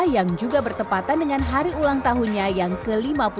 yang juga bertepatan dengan hari ulang tahunnya yang ke lima puluh tujuh